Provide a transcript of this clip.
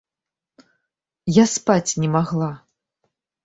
Я спаць не магла.